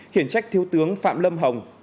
khiển trách thiếu tướng phạm lâm hồng